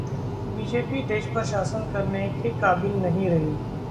''BJP देश पर शासन करने के काबिल नहीं रही”